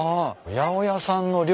八百屋さんの量。